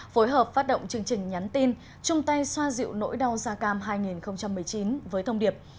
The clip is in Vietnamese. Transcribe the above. phối hợp phát động chương trình nhắn tin chung tay xoa dịu nỗi đau da cam hai nghìn một mươi chín với thông điệp